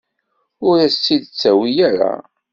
Ur as-tt-id-ttawi ara.